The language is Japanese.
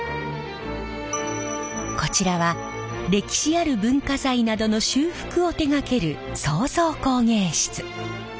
こちらは歴史ある文化財などの修復を手がける創造工芸室。